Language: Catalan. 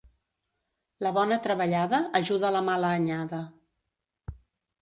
La bona treballada ajuda la mala anyada.